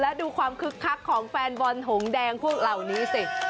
แล้วดูความคึกคักของแฟนบอลหงแดงพวกเหล่านี้สิ